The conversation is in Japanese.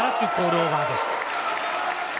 オーバーです。